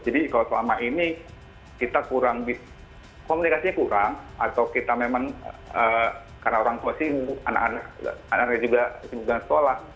jadi kalau selama ini kita kurang komunikasinya kurang atau kita memang karena orang tua sibuk anak anak juga sibuk dengan sekolah